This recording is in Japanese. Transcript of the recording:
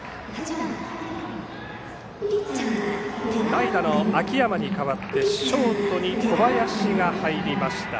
代打の秋山に代わってショートに小林が入りました。